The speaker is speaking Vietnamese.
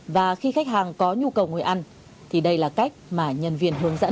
và khi khách hàng có nhu cầu ngồi ăn thì đây là cách mà nhân viên hướng dẫn